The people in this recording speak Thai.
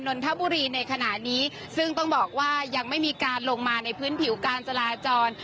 นนทบุรีในขณะนี้ซึ่งต้องบอกว่ายังไม่มีการลงมาในพื้นผิวการจราจร